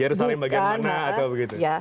yaudah saling bagian mana itu bukan